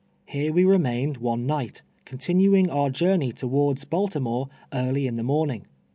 Here wo remained one night, continuing onr jonrney towards Baltimore early in the morning.